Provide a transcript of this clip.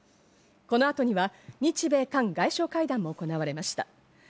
この後には日米韓外相会談が行われました。